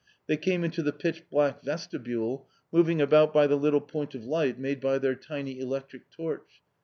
They came into the pitch black vestibule, moving about by the little point of light made by their tiny electric torch.